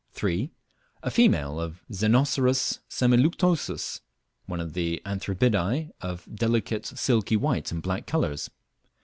3. A female of Xenocerus semiluctuosus, one of the Anthribidae of delicate silky white and black colours.